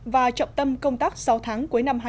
và trọng tâm công tác sáu tháng